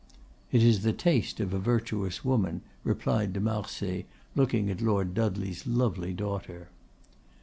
"It is the taste of a virtuous woman," replied de Marsay, looking at Lord Dudley's lovely daughter.